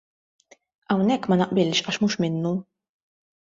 Hawnhekk ma naqbilx għax mhux minnu.